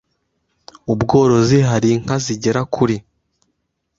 Ubworozi hari inka zigera kuri